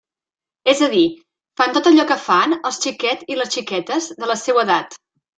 És a dir, fan tot allò que fan els xiquets i les xiquetes de la seua edat.